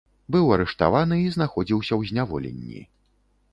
Быў арыштаваны і знаходзіўся ў зняволенні.